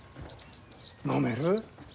飲める。